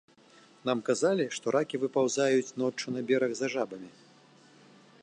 Нам казалі, што ракі выпаўзаюць ноччу на бераг за жабамі.